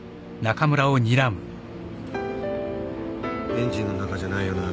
エンジンの中じゃないよな？